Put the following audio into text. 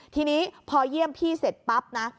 ทีนี้พอเยี่ยมพี่เสร็จปั๊บนะ